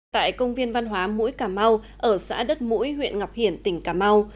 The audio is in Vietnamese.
tại công viên văn hóa mũi cà mau ở xã đất mũi huyện ngọc hiển tỉnh cà mau